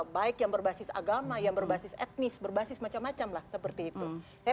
baik yang berbasis agama yang berbasis etnis berbasis macam macam lah seperti itu